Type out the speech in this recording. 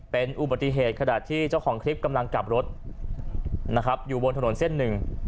เป็นอุบัติเหตุขณะที่เจ้าของคลิปกำลังกลับรถนะครับอยู่บนถนนเส้นหนึ่ง